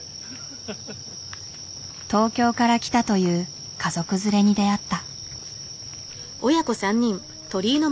東京から来たという家族連れに出会った。